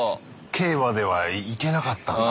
Ｋまでは行けなかったんだ。